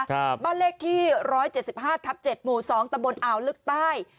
บ้านเลขที่ร้อยเจ็ดสิบห้าทับเจ็ดหมู่สองตะบนอ่าวลึกใต้